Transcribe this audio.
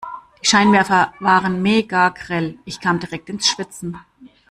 Die Scheinwerfer waren megagrell. Ich kam direkt ins Schwitzen.